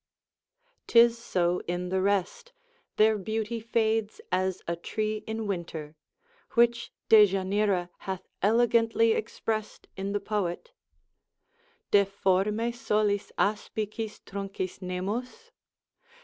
'Tis so in the rest, their beauty fades as a tree in winter, which Dejanira hath elegantly expressed in the poet, Deforme solis aspicis truncis nemus?